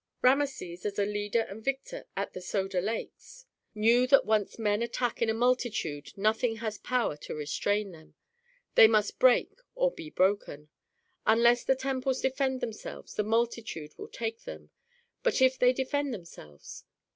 Rameses, as a leader and victor at the Soda Lakes, knew that once men attack in a multitude nothing has power to restrain them; they must break or be broken. Unless the temples defend themselves the multitude will take them; but if they defend themselves?